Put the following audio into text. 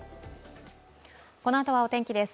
このあとはお天気です。